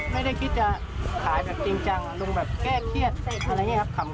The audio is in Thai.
ไม่ได้คิดจะขายแบบจริงจังลุงแบบแก้เครียดอะไรอย่างนี้ครับ